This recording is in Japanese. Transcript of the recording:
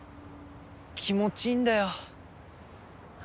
気持ちいいんだよ。